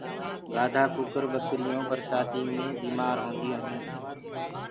گآڌآ ٻڪرِيونٚ ڪوڪرِ رِڍينٚ برسآتيٚ مي بيٚمآر هونٚديو هينٚ